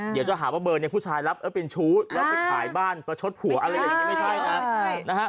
เดี๋ยวจะหาว่าเบอร์ผู้ชายรับเป็นชู้แล้วไปขายบ้านประชดผัวอะไรอย่างนี้ไม่ใช่นะ